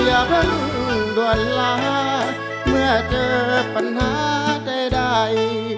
อย่าเพิ่งด่วนลาเมื่อเจอปัญหาใด